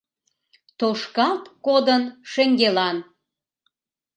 Тошкалт кодын шеҥгелан.